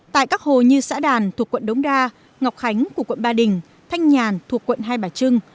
tại các hồ như xã đàn ngọc khánh thanh nhàn